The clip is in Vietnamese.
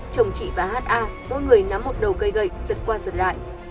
chồng chị và ha mỗi người nắm một đầu cây gậy giật qua sợ lại